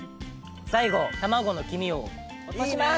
最後卵の黄身を落とします！